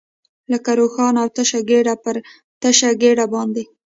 لکه روښانه او تشه ګېډه، پر تشه ګېډه باندې.